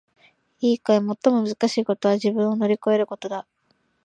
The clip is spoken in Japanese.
いいかい！最もむずかしいことは自分を乗り越えることだ！